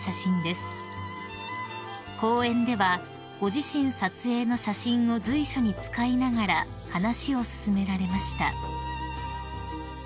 ［講演ではご自身撮影の写真を随所に使いながら話を進められました］